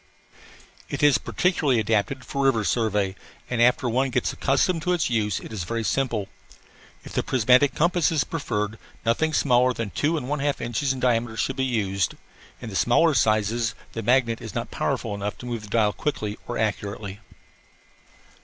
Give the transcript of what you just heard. It is particularly adapted for river survey and, after one gets accustomed to its use, it is very simple. If the prismatic compass is preferred, nothing smaller than two and one half inches in diameter should be used. In the smaller sizes the magnet is not powerful enough to move the dial quickly or accurately.